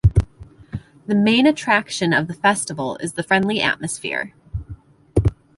The main attraction of the festival is the friendly atmosphere.